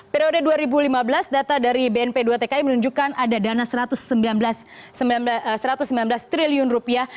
periode dua ribu lima belas data dari bnp dua tki menunjukkan ada dana satu ratus sembilan belas triliun rupiah